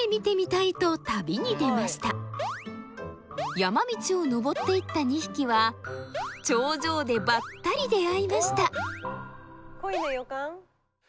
山道を登っていった２匹は頂上でばったり出会いました。